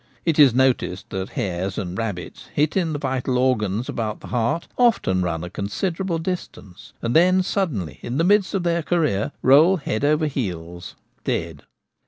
It is noticed that hares and rabbits, hit in the vital organs about the heart, often run a considerable distance, and then, suddenly in the Effects of Shot. 103 midst of their career, roll head over heels dead.